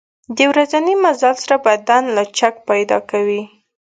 د ورځني مزل سره بدن لچک پیدا کوي.